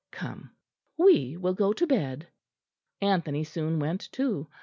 Come, we will go to bed." Anthony soon went too.